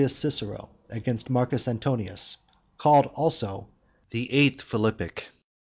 CICERO AGAINST MARCUS ANTONIUS. CALLED ALSO THE NINTH PHILIPPIO.